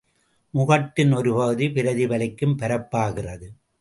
முகட்டின் ஒரு பகுதி பிரதிபலிக்கும் பரப்பாகிறது.